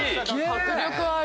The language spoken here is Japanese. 迫力ある！